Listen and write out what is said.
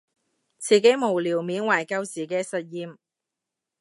自己無聊緬懷舊時嘅實驗